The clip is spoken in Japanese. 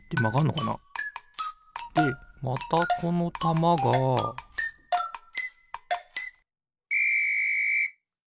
でまたこのたまがピッ！